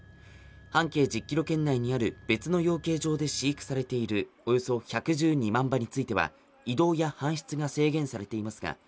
半径１０キロ圏内にある別の養鶏場で飼育されているおよそ１１２万羽については移動や搬出が制限されていますか